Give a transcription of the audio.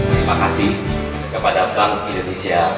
terima kasih kepada bank indonesia